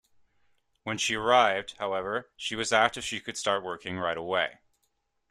When she arrived, however, she was asked if she could start working right away.